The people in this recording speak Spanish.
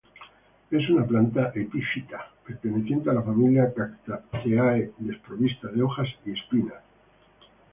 Es una planta epífita perteneciente a la familia cactaceae, desprovista de hojas y espinas.